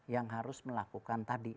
yang harus melakukan tadi